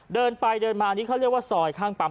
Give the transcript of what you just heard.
เดินไปเดินมานี่เขาเรียกว่าซอยข้างปั๊ม